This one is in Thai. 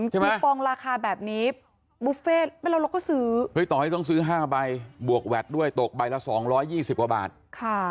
ใช่มั้ยปองราคาแบบนี้บุฟเฟต์ไม่แล้วเราก็ซื้อเฮ้ยตอนนี้ต้องซื้อห้าใบบวกแวดด้วยตกใบละสองร้อยยี่สิบกว่าบาทค่ะ